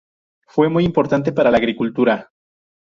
Fue muy importante para la agricultura.